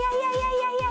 いやいや。